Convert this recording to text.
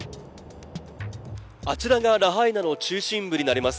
あちらがラハイナの中心部になります。